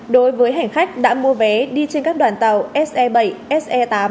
đối với hành khách đã mua vé đi trên các đoàn tàu se bảy se tám